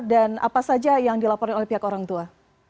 dan apa saja yang dilaporkan oleh pihak orang tua